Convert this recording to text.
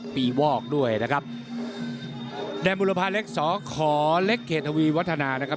ปีวอกด้วยนะครับแดมบุรพาลักษณ์สขลเกตวิวตนครับ